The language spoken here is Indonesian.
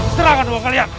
seterakan uang kalian